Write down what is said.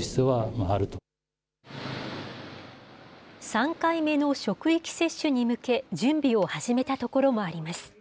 ３回目の職域接種に向け、準備を始めたところもあります。